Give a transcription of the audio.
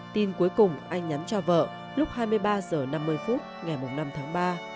tin cuối cùng anh nhắn cho vợ lúc hai mươi ba h năm mươi phút ngày năm tháng ba